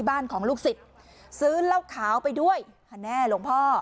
บ้านของลูกศิษย์ซื้อเหล้าขาวไปด้วยค่ะแน่หลวงพ่อ